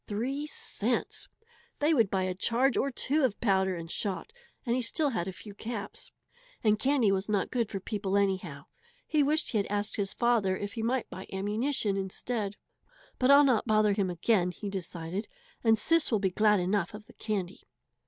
Three cents! They would buy a charge or two of powder and shot, and he still had a few caps. And candy was not good for people anyhow! He wished he had asked his father if he might buy ammunition instead. "But I'll not bother him again," he decided, "and Sis will be glad enough of the candy."